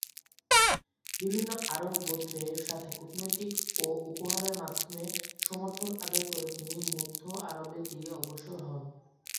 বিভিন্ন আরব গোত্রের সাথে কূটনৈতিক ও উপহারের মাধ্যমে সমর্থন আদায় করে তিনি মধ্য আরবের দিকে অগ্রসর হন।